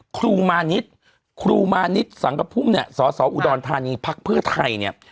ครูมานิทครูมานิทสังกภูมิเนี่ยสออุดรธานีพรรคเพื่อไทยเนี่ย